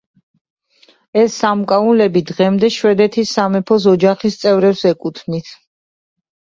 ეს სამკაულები დღემდე შვედეთის სამეფო ოჯახის წევრებს ეკუთვნით.